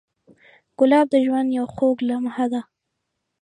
ګلاب د ژوند یو خوږ لمحه ده.